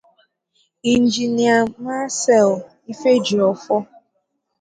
Injinia Marcel Ifejiofor